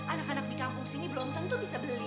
anak anak di kampung sini belum tentu bisa beli